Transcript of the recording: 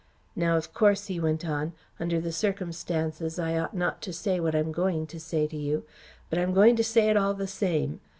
Now of course," he went on, "under the circumstances, I ought not to say what I'm going to say to you, but I am going to say it all the same.